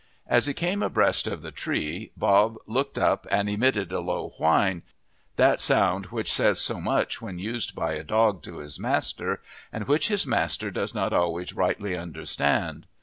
As he came abreast of the tree, Bob looked up and emitted a low whine, that sound which says so much when used by a dog to his master and which his master does not always rightly understand.